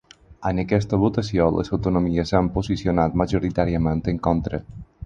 En aquesta votació les autonomies s’han posicionat majoritàriament en contra.